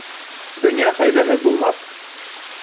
Донъя хәйләһеҙ булмаҫ